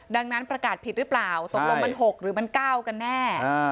ดังนั้นประกาศผิดหรือเปล่าตกลงมัน๖หรือมัน๙กันแน่